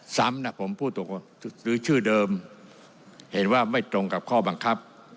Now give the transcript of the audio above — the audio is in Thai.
ซ้ำนะผมพูดหรือชื่อเดิมเห็นว่าไม่ตรงกับข้อบังคับ